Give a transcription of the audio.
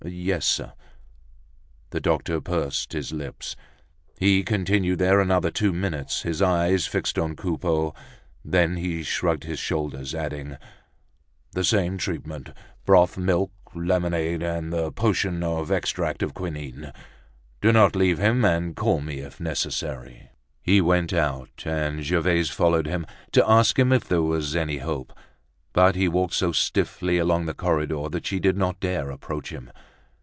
"Yes, sir." The doctor pursed his lips. He continued there another two minutes, his eyes fixed on Coupeau. Then he shrugged his shoulders, adding: "The same treatment, broth, milk, lemonade, and the potion of extract of quinine. Do not leave him, and call me if necessary." He went out and Gervaise followed him, to ask him if there was any hope. But he walked so stiffly along the corridor, that she did not dare approach him.